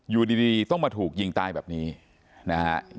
อยู่ดีต้องมาถูกยิงตายแบบนี้นะฮะ